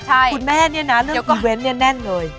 คุณแม่เนี่ยนะเรื่องอีเวนต์เนี่ยแน่นเลย